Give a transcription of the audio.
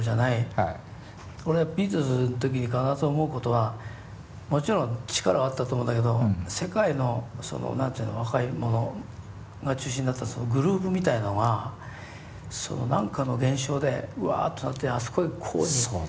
俺はビートルズの時に必ず思うことはもちろん力はあったと思うんだけど世界のその何て言うの若い者が中心になったそのグルーブみたいなのがその何かの現象でうわっとなってあそこへこういうふうに。